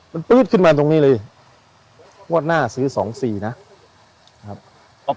มันปื๊ดขึ้นมาตรงนี้เลยงวดหน้าซื้อสองสี่นะครับ